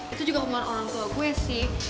itu juga hubungan orang tua gue sih